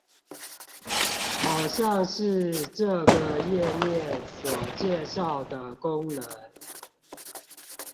好像是這個頁面所介紹的功能